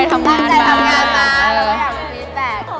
เราไม่อยากมีคลิปแบบ